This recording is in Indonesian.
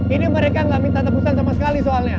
ini mereka nggak minta tebusan sama sekali soalnya